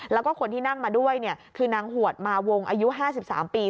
แล้วก็คนที่นั่งมาด้วยคือนางหวดมาวงอายุ๕๓ปี